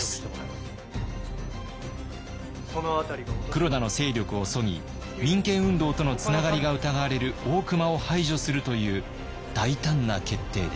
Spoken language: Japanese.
黒田の勢力をそぎ民権運動とのつながりが疑われる大隈を排除するという大胆な決定でした。